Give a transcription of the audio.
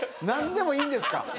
なんでもいいんですか？